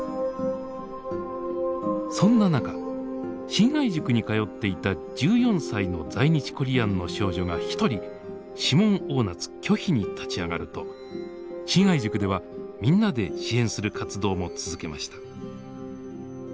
そんな中信愛塾に通っていた１４歳の在日コリアンの少女がひとり指紋押捺拒否に立ち上がると信愛塾ではみんなで支援する活動も続けました。